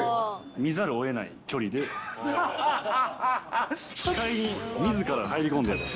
見ざるをえない距離で、視界にみずから入り込んでやろうと。